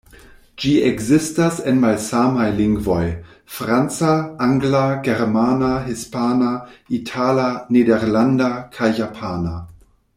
Ĝi ekzistas en malsamaj lingvoj: franca, angla, germana, hispana, itala, nederlanda kaj japana.